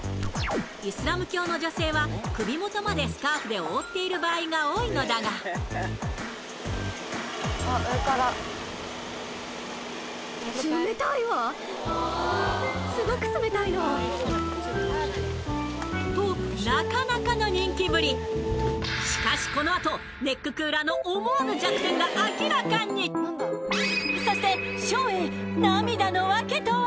イスラム教の女性は首元までスカーフで覆っている場合が多いのだがとなかなかの人気ぶりしかしこのあとネッククーラーの明らかにそして照英涙の訳とは？